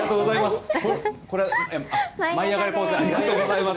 ありがとうございます。